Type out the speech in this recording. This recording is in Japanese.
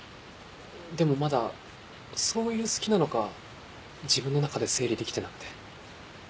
でもまだそういう好きなのか自分の中で整理できてなくて。